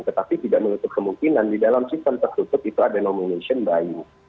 tetapi tidak menutup kemungkinan di dalam sistem tertutup itu ada nomination buy